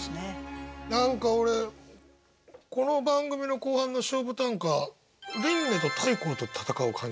何か俺この番組の後半の勝負短歌琳寧と大光と戦う感じが。